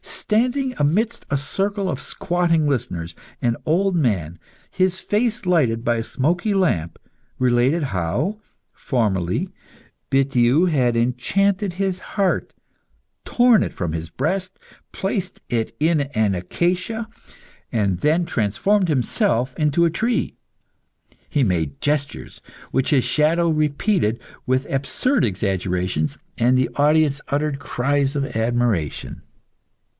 Standing amidst a circle of squatting listeners, an old man, his face lighted by a smoky lamp, related how, formerly, Bitiou had enchanted his heart, torn it from his breast, placed it in an acacia, and then transformed himself into a tree. He made gestures, which his shadow repeated with absurd exaggerations, and the audience uttered cries of admiration.